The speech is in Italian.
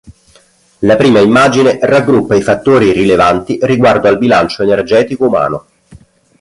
La prima immagine raggruppa i fattori rilevanti riguardo al bilancio energetico umano.